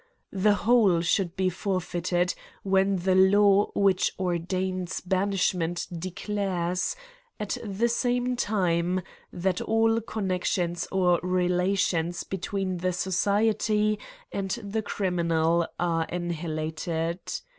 The whole should be forfeited, when the law which ordains banishment declares, at the same time, that all connections or relations between the society and the criminal are annihilated.